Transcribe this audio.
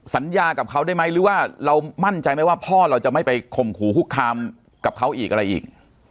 สัญญากับเขาได้ไหมหรือว่าเรามั่นใจไหมว่าพ่อเราจะไม่ไปข่มขู่คุกคามกับเขาอีกอะไรอีก